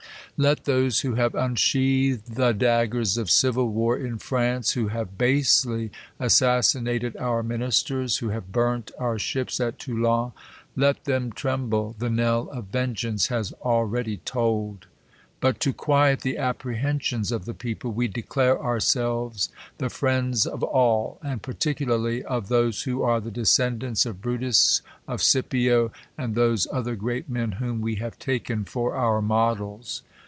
Let those who have unsheathed the da^ggers of civil| war in France ; who have basely assassinated our miri ? isters 5 who have btirnt our ships at Toulon ; let them tremble ! the knell of vengeance has already tolled ! But to quiet the apprehensions of the people, we declare ourselves the friends of all, and particularly of those Vv'ho are the descendants of Brutus, of Scipio, and those other great men whom wo have taken foj our models.